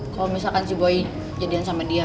kalo misalkan si boy jadian sama dia